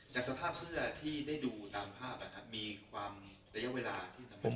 แต่สภาพเสื้อที่ได้ดูตามภาพมีความระยะเวลา